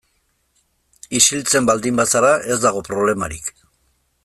Isiltzen baldin bazara ez dago problemarik.